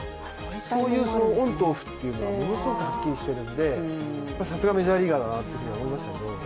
そういうオンとオフがものすごくはっきりしているので、さすがメジャーリーガーだなっていうふうに思いましたけど。